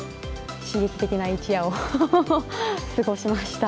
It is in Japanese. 刺激的な一夜を過ごしました。